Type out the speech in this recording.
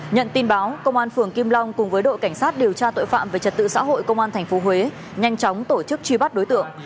nhận tin báo công an phường kim long cùng với đội cảnh sát điều tra tội phạm về trật tự xã hội công an tp huế nhanh chóng tổ chức truy bắt đối tượng